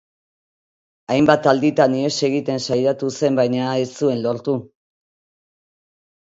Hainbat alditan ihes egiten saiatu zen baina ez zuen lortu.